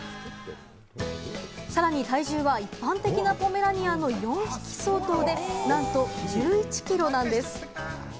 さらに体重は一般的なポメラニアンの４匹相当で、なんと１１キロなんです。